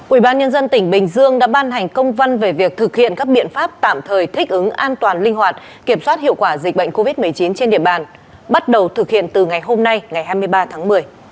ubnd tỉnh bình dương đã ban hành công văn về việc thực hiện các biện pháp tạm thời thích ứng an toàn linh hoạt kiểm soát hiệu quả dịch bệnh covid một mươi chín trên địa bàn bắt đầu thực hiện từ ngày hôm nay ngày hai mươi ba tháng một mươi